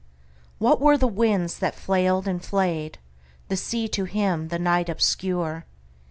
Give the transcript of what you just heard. What were the winds that flailed and flayedThe sea to him, the night obscure?